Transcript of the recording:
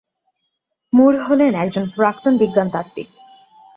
মুর হলেন একজন প্রাক্তন বিজ্ঞানতাত্ত্বিক।